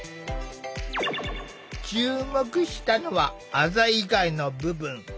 注目したのはあざ以外の部分。